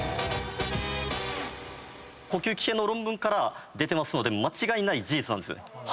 呼吸器系の論文から出てますので間違いない事実なんですよね。